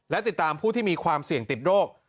และติดตามผู้ที่มีความเสี่ยงติดโรค